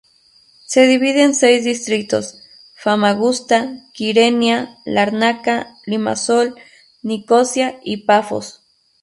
Se divide en seis distritos: Famagusta, Kyrenia, Lárnaca, Limassol, Nicosia y Pafos.